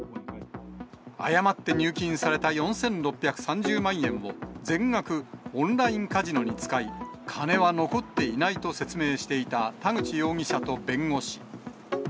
誤って入金された４６３０万円を全額、オンラインカジノに使い、金は残っていないと説明していた田口容疑者と弁護士。